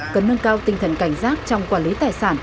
cần nâng cao tinh thần cảnh giác trong quản lý tài sản